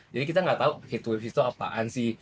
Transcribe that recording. jadi kita gak tau heatwave itu apaan sih